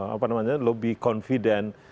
apa namanya lebih confident